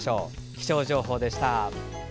気象情報でした。